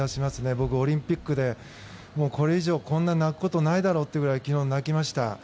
僕オリンピックでこれ以上、こんなに泣くことがないだろうというくらい昨日、泣きました。